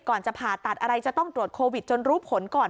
จะผ่าตัดอะไรจะต้องตรวจโควิดจนรู้ผลก่อน